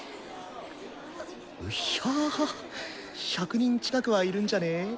うっひゃ１００人近くはいるんじゃね？